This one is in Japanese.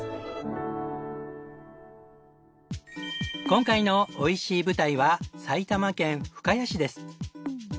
今回のおいしい舞台は埼玉県深谷市です。